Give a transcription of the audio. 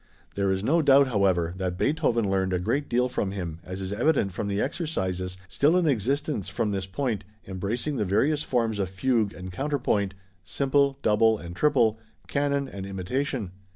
There is no doubt however, that Beethoven learned a great deal from him, as is evident from the exercises still in existence from this period, embracing the various forms of fugue and counterpoint, simple, double, and triple, canon and imitation.